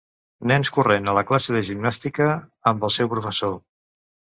Nens corrent a la classe de gimnàstica amb el seu professor.